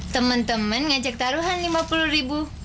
temen temen ngajak taruhan lima puluh ribu